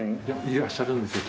いらっしゃるんですよ。